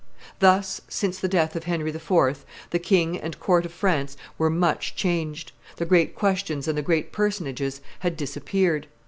Thus, since the death of Henry IV., the king and court of France were much changed: the great questions and the great personages had disappeared.